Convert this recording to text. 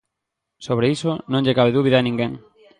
Sobre iso non lle cabe dúbida a ninguén.